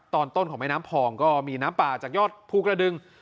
ตอนต้นของแม่น้ำพองก็มีน้ำป่าจากยอดภูกระดึง